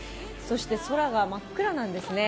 空が真っ暗なんですね。